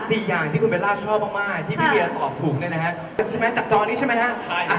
สี่อย่างที่คุณเบลล่าชอบมากที่พี่เวียออกถูกนิดหนึ่งนะครับจากจอนี้ใช่ไหมครับ